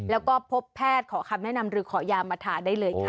แล้วก็พบแพทย์ขอคำแนะนำหรือขอยามาทาได้เลยค่ะ